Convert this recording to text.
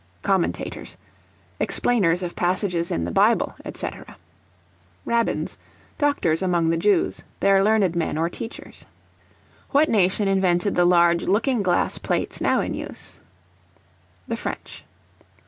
Commentators, explainers of passages in the Bible, &c. Rabbins, doctors among the Jews, their learned men or teachers. What nation invented the large looking glass plates now in use? The French.